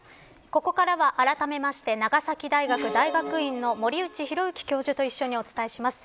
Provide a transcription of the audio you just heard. ここからはあらためまして長崎大学大学院の森内浩幸教授と一緒にお伝えします。